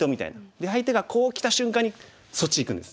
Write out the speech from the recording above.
で相手がこうきた瞬間にそっちいくんです。